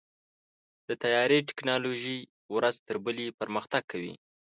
د طیارې ټیکنالوژي ورځ تر بلې پرمختګ کوي.